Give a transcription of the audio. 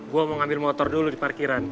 gue mau ambil motor dulu di parkiran